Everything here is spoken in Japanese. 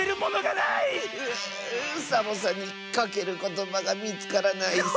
うサボさんにかけることばがみつからないッス。